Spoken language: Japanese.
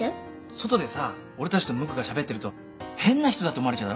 外でさ俺たちとムックがしゃべってると変な人だと思われちゃうだろ？